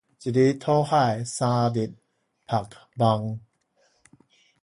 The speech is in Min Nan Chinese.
一日討海，三日曝網